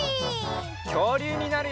きょうりゅうになるよ！